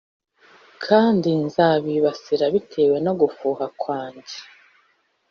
Kandi nzabibasira mbitewe no gufuha kwanjye